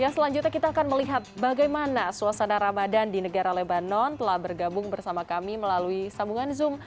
selanjutnya kita akan melihat bagaimana suasana ramadan di negara lebanon telah bergabung bersama kami melalui sambungan zoom